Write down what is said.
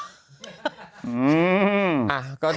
ปลากรอบ